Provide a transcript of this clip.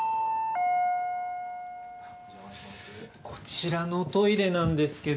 こちらのトイレなんですけど。